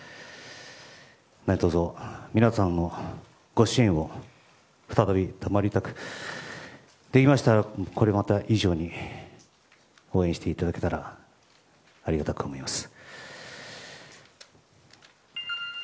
何卒、皆さんのご支援を再び賜りたくできましたらこれまで以上に応援していただけたらありがたく思います。